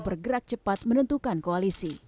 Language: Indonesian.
bergerak cepat menentukan koalisi